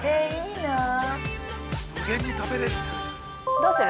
◆どうする？